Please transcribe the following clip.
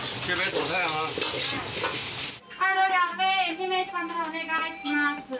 ２名様お願いします。